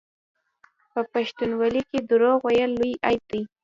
په پښتونولۍ کې دروغ ویل لوی عیب دی.